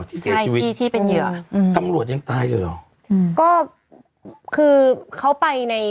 ที่ใช่พี่ที่เป็นเหยื่ออืมตำรวจยังตายเลยเหรออืมก็คือเขาไปใน